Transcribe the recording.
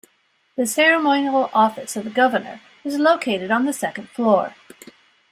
The ceremonial office of the governor is located on the second floor.